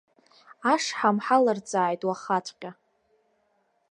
Ашҳам ҳаларҵааит уахаҵәҟьа.